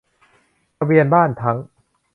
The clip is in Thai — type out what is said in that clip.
ทะเบียนบ้านทั้ง